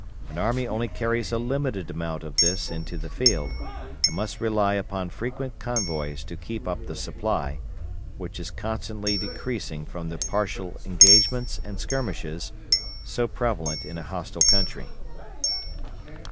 An army only carries a limited amount of this into the field and must rely upon frequent convoys to keep up the supply, which is constantly decreasing from the partial engagements and skirmishes, so prevalent in a hostile country.